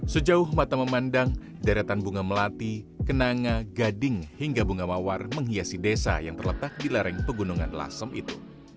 sejauh mata memandang deretan bunga melati kenanga gading hingga bunga mawar menghiasi desa yang terletak di lereng pegunungan lasem itu